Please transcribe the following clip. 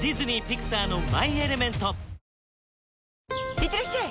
いってらっしゃい！